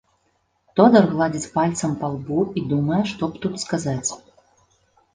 Тодар гладзіць пальцам па лбу і думае, што б тут сказаць.